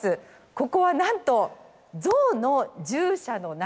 ここはなんとゾウの獣舎の中。